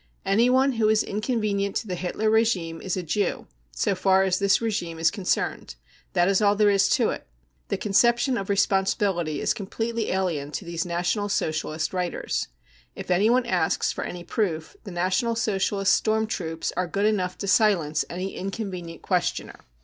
Anyone who is inconvenient to the Hitler regime is a "Jew" so far as this regime is concerned. That is all there is to it. The conception of " responsibility 55 is completely alien to these National Socialist " writers. 55 If anyone asks for any proof, the National Socialist storm troops are good enough to silence any inconvenient questioner.